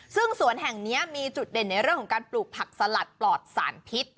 ซึ่งสวนแห่งนี้มีจุดเด่นในเรื่องของการปลูกผักสลัดปลอดสารพิษ